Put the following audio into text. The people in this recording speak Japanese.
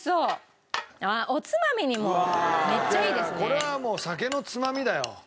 これはもう酒のつまみだよ